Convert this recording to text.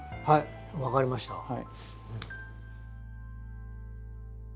はい分かりました。